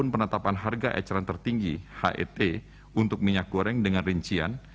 penetapan harga eceran tertinggi het untuk minyak goreng dengan rincian